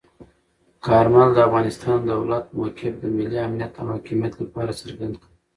کارمل د افغانستان د دولت موقف د ملي امنیت او حاکمیت لپاره څرګند کړ.